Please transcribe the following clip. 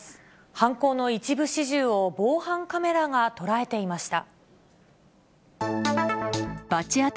犯行の一部始終を防犯カメラが捉えていました。